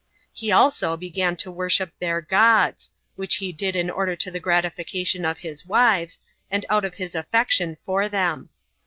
He also began to worship their gods, which he did in order to the gratification of his wives, and out of his affection for them.